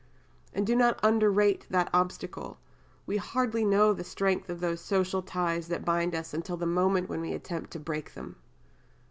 And do not underrate that obstacle. We hardly know the strength of those social ties that bind us until the moment when we attempt to break them."